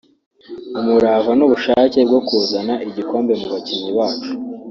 umurava n’ubushake bwo kuzana igikombe mu bakinnyi bacu